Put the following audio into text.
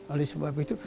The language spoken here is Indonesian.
oleh sebab itu